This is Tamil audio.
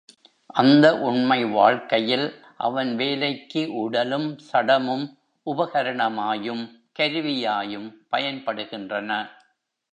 அந்த உண்மை வாழ்க்கையில் அவன் வேலைக்கு உடலும் சடமும் உபகரணமாயும் கருவியாயும் பயன்படுகின்றன.